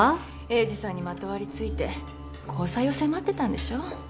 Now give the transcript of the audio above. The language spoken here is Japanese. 栄治さんにまとわりついて交際を迫ってたんでしょう？